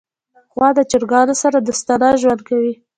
غوا د چرګانو سره دوستانه ژوند کوي.